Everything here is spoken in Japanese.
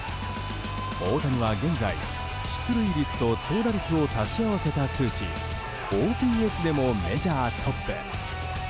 大谷は現在、出塁率と長打率を足し合わせた数値ＯＰＳでもメジャートップ。